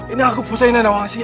ini aku pusingnya nawangsi